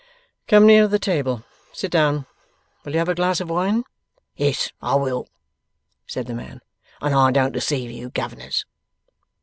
'Come nearer the table. Sit down. Will you have a glass of wine?' 'Yes, I will,' said the man; 'and I don't deceive you, Governors.